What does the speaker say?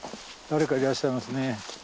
誰かいらっしゃいますね。